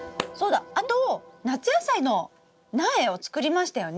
あと夏野菜の苗を作りましたよね？